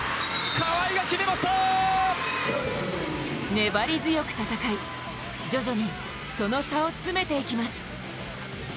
粘り強く戦い、徐々にその差を詰めていきます。